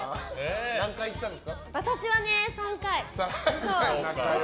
私は３回。